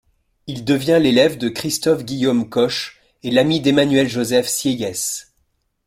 Il devient l'élève de Christophe-Guillaume Koch et l'ami d'Emmanuel-Joseph Sieyès.